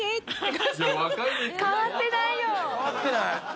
変わってないよ！